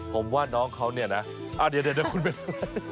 ผมว่าน้องเขาเนี่ยนะอ้าวเดี๋ยวคุณเป็นใคร